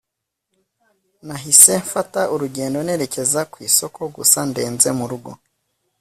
nahise mfata urugendo nerekeza ku isoko gusa ndenze murugo